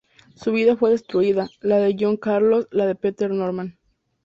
Su vida fue destruida, la de John Carlos, la de Peter Norman.